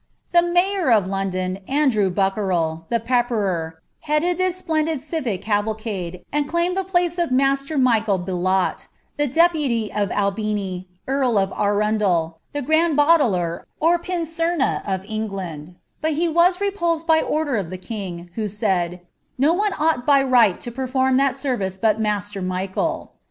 51 The mayor of London, Andrew Buckerel, the pepperer, headed this nlendid civic calvacade, and claimed the place of Master Michael Belot, the deputy of Albini, earl of Arundel, the gprand boteler or pincema of En^and ; but he was repulsed by order of the king, who said, ^ no one ooght by right to perform that service but Master Michael."